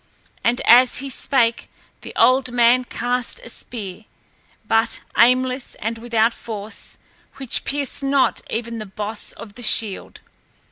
And as he spake the old man cast a spear, but aimless and without force, which pierced not even the boss of the shield.